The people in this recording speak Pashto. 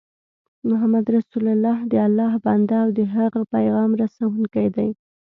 محمد رسول الله دالله ج بنده او د د هغه پیغام رسوونکی دی